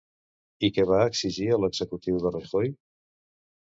I què va exigir a l'executiu de Rajoy?